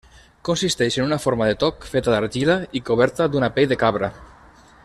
Consisteix en una forma de toc feta d'argila i coberta d'una pell de cabra.